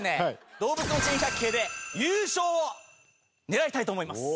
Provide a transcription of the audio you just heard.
動物の珍百景で優勝を狙いたいと思います！